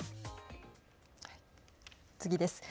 次です。